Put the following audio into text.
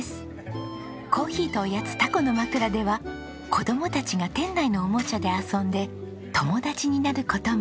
珈琲とおやつタコのまくらでは子供たちが店内のおもちゃで遊んで友達になる事も。